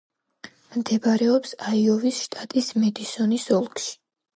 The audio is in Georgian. მდებარეობს აიოვის შტატის მედისონის ოლქში.